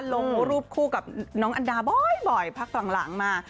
ลงรูปคู่กับน้องอันดาบ่อยพักหลังมา